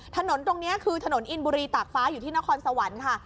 ถนนตรงนี้คือถนนอินบุรีตากฟ้าอยู่ที่นครสวรรค์ค่ะ